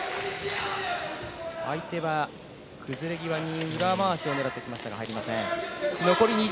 相手は崩れ際に裏回しを狙ってきましたが入りませんでした。